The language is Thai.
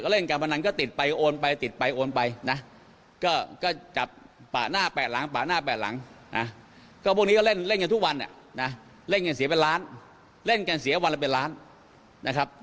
เล่นการเสียเป็นล้านเล่นการเสียวันละเป็นล้านนะครับ